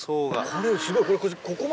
これすごいこれ。